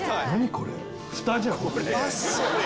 これ。